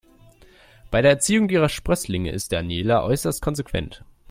Bei der Erziehung ihrer Sprösslinge ist Daniela äußerst konsequent.